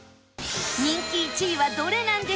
人気１位はどれなんでしょう？